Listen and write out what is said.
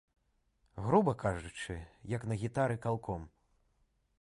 Груба кажучы, як на гітары калком.